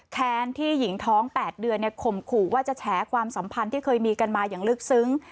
แค้นที่หญิงท้อง๘เดือนข่มขู่ว่าจะแฉความสัมพันธ์ที่เคยมีกันมาอย่างลึกซึ้ง